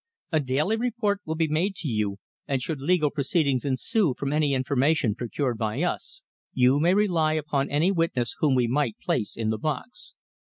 A daily report will be made to you, and should legal proceedings ensue from any information procured by us, you may rely upon any witness whom we might place in the box.